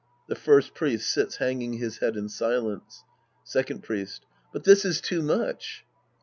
{The First Priest sits hanging his head in silence^ Second Priest. But this is too much.